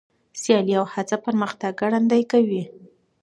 سیالي او هڅه پرمختګ ګړندی کوي.